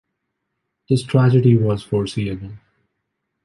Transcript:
This tragedy was foreseeable.